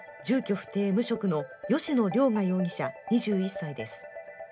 不定・無職の吉野凌雅容疑者２１歳です。